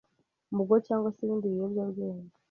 mugo cyangwa se ibindi biyobya bwenge.